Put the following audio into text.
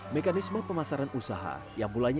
mekanisme pemasaran usaha yang mulainya